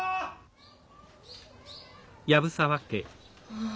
・ああ